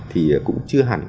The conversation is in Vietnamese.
thì cũng chưa hẳn